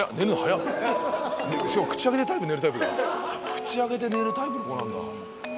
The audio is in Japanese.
口開けて寝るタイプの子なんだ。